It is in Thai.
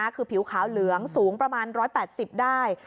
คือผิวขาวเหลืองสูงประมาณ๑๘๐ได้